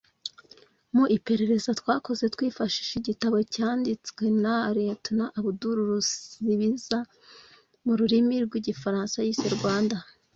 Mu iperereza twakoze twifashishije igitabo cyanditswe na Lt Abdoul Ruzibiza mu rurimi rw’igifaransa yise “Rwanda